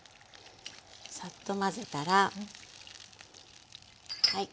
サッと混ぜたら。